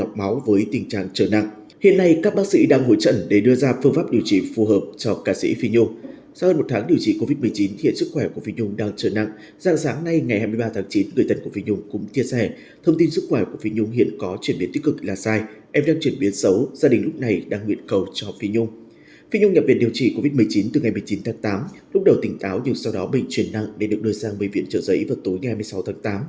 phi nhung nhập viện điều trị covid một mươi chín từ ngày một mươi chín tháng tám lúc đầu tỉnh táo nhưng sau đó bệnh chuyển nặng để được đưa sang bệnh viện trợ giấy vào tối ngày hai mươi sáu tháng tám